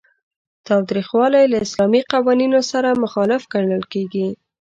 تاوتریخوالی له اسلامي قوانینو سره مخالف ګڼل کیږي.